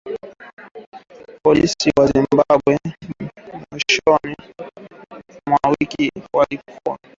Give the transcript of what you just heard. Polisi wa Zimbabwe mwishoni mwa wiki walikizuia chama kikuu cha upinzani nchini humo kufanya mikutano kabla ya uchaguzi wa machi ishirini na sita.